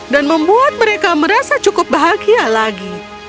dan membuat mereka merasa cukup bahagia lagi